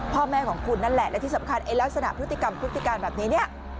พ่อแม่ของคุณนั่นแหละและที่สำคัญไอ้ลักษณะพฤติกรรมพฤติการแบบนี้เนี่ย